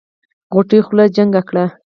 غوټۍ خوله جينګه کړه.